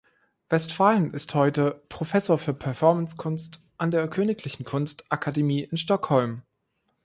Westphalen ist heute Professor für Performancekunst an der Königlichen Kunstakademie in Stockholm.